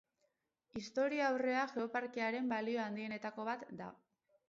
Historiaurrea Geoparkearen balio handienetako bat da.